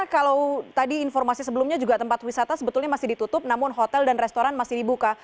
kalau tadi informasi sebelumnya juga tempat wisata sebetulnya masih ditutup namun hotel dan restoran masih dibuka